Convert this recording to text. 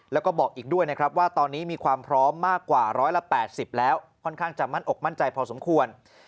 แล้วก็บอกอีกด้วยนะครับว่าตอนนี้มีความพร้อมมากกว่า๑๘๐แล้วค่อนข้างจะมั่นอกมั่นใจพอสมควร